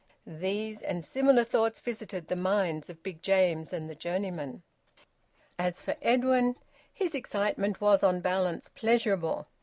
These and similar thoughts visited the minds of Big James and the journeyman. As for Edwin, his excitement was, on balance, pleasurable.